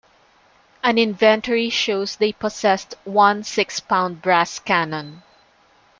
An inventory shows they possessed one six pound brass cannon.